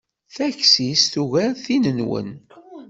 Takti-s tugar tin-nwen.